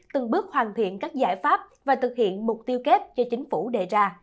từng bước hoàn thiện các giải pháp và thực hiện mục tiêu kép do chính phủ đề ra